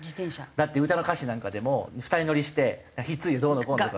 だって歌の歌詞なんかでも２人乗りして引っ付いてどうのこうのとか。